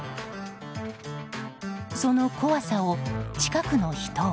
その怖さを近くの人は。